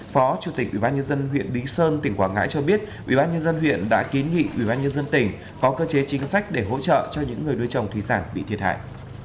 phó chủ tịch ubnd huyện bí sơn tỉnh quảng ngãi cho biết ubnd huyện đã ký nghị ubnd tỉnh có cơ chế chính sách để hỗ trợ cho những người đôi chồng thủy sản bị thiệt hại